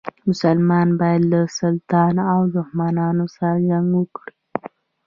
مسلمان باید له سلطان له دښمنانو سره جنګ وکړي.